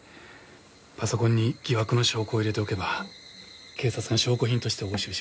パソコンに疑惑の証拠を入れておけば警察が証拠品として押収します。